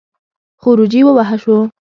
خروجی ووهه شو.